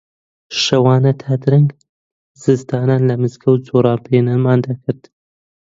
شەوانە تا درەنگ زستانان لە مزگەوت جۆرابێنمان دەکرد